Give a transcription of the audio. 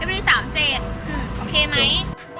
เว็บนี้สามเจ็ดอืมโอเคไหม